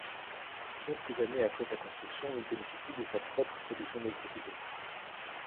Quelques années après sa construction, il bénéficie de sa propre production d'électricité.